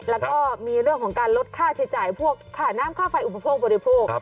แล้วก็มีเรื่องของการลดค่าใช้จ่ายพวกค่าน้ำค่าไฟอุปโภคบริโภค